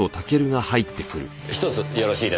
１つよろしいですか？